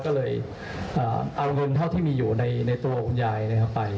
ก็เลยเอาเงินเท่าที่มีอยู่ในตัวคุณยายไป